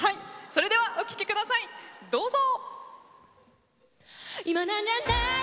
それではお聴きくださいどうぞ。